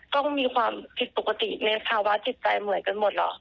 ก็มีความผิดปกติในภาวะจิตใจเหมือนกันหมดหรอ